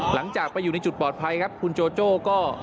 หลังจากไปอยู่ในจุดปลอดภัยครับคุณโจโจ้ก็